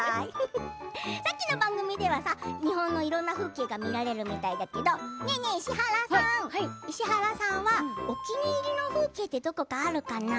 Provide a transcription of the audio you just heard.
さっきの番組では日本のいろいろな風景が見られるみたいだけど石原さんは、お気に入りの風景どこかあるかな？